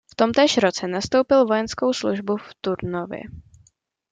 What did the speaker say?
V tomtéž roce nastoupil vojenskou službu v Turnově.